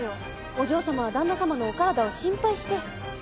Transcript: お嬢様は旦那様のお体を心配して。